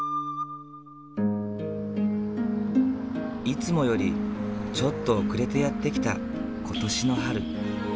いつもよりちょっと後れてやって来た今年の春。